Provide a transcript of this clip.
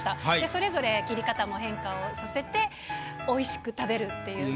それぞれ切り方も変化をさせて美味しく食べるっていう。